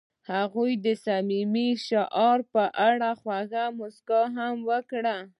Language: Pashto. هغې د صمیمي شعله په اړه خوږه موسکا هم وکړه.